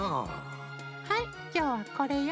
はいきょうはこれよ。